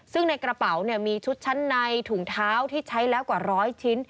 ซึ่งในกระเป๋ามีชุดชั้นในถุงเท้าที่ใช้แล้วกว่าร้อยชิ้น